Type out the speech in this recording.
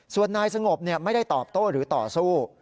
ส่วนนายสงบไม่ได้ตอบโต้หรือต่อสู้